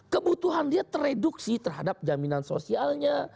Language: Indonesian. kebutuhan dia tereduksi terhadap jaminan sosialnya